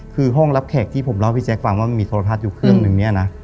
คือห้องรับแขกที่ผมเล่าให้พี่แจ๊คฟังว่ามีโทรทัศน์อยู่เครื่องนึงเนี่ยนะ